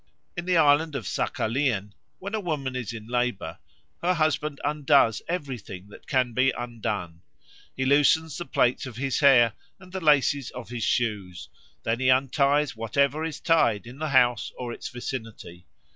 In the island of Saghalien, when a woman is in labour, her husband undoes everything that can be undone. He loosens the plaits of his hair and the laces of his shoes. Then he unties whatever is tied in the house or its vicinity.